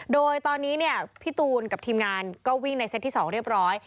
โดยตอนนี้เนี่ยพี่ตูนกับทีมงานก็วิ่งในเซตที่๒เรียบร้อย